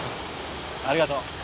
ありがとう。